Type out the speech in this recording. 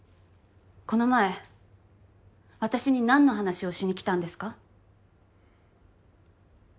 この前私に何の話をしにきたんですか？